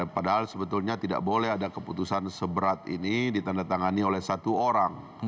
padahal sebetulnya tidak boleh ada keputusan seberat ini ditandatangani oleh satu orang